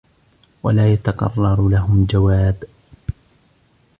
وَلَا يَتَقَرَّرُ لَهُمْ جَوَابٌ